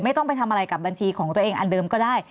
ต้องไปทำอะไรกับบัญชีของตัวเองอันเดิมก็ได้